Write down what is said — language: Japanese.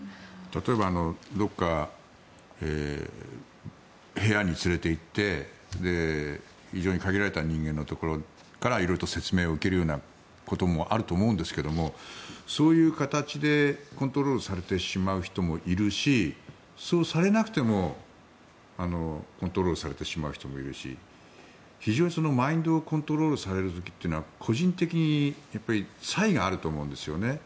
例えばどこか部屋に連れて行って非常に限られた人間のところからいろいろ説明を受けることもあると思うんですけどそういう形でコントロールされてしまう人もいるしそうされなくてもコントロールされてしまう人もいるし非常にマインドコントロールされる時というのは個人的に差異があると思うんですよね。